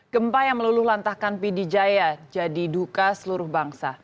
gempa yang meluluh lantahkan p d jaya jadi duka seluruh bangsa